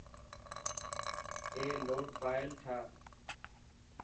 اي لڊ فائل ٺاهه.